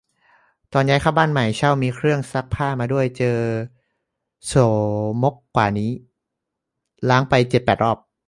ตอนย้ายเข้าบ้านใหม่ เช่า มีเครื่องซักผ้ามาด้วย เจอโสมมกว่านี้ ล้างไปเจ็ดแปดรอบ